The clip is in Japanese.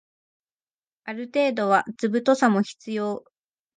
ある程度は図太さも必要